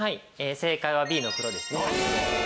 正解はＢの黒ですね。